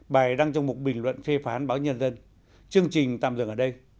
bài đăng trong một bình luận phê phán báo nhân dân chương trình tạm dừng ở đây